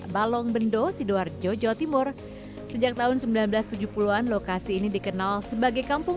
balong bendo sidoarjo jawa timur sejak tahun seribu sembilan ratus tujuh puluh an lokasi ini dikenal sebagai kampung